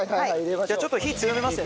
ちょっと火強めますね